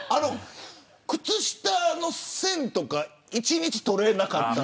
靴下の線とか一日取れなかった。